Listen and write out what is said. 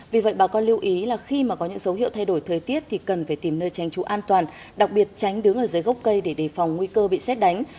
vì vậy bà con lưu ý là khi mà có những dấu hiệu thay đổi thời tiết thì cần phải tìm nơi tránh trú an toàn đặc biệt tránh đứng ở dưới gốc cây để đề phòng nguy cơ bị xét đánh